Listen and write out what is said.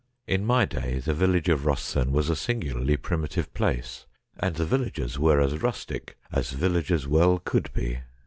In my day the village of Eostherne was a singularly primitive place, and the villagers were as rustic as villagers well could be.